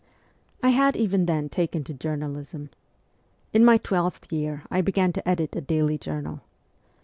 I had even then taken to journalism. In my twelfth year I began to edit a daily journal.